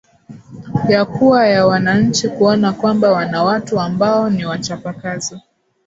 yakuwa ya wananchi kuona kwamba wanawatu ambao ni wachapakazi